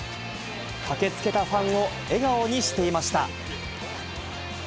駆けつけたファンを笑顔にしていました。